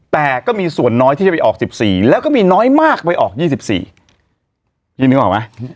แต่ก็มีส่วนน้อยที่จะไปออก๑๔แล้วก็มีน้อยมากไปออก๒๔พี่นึกออกไหม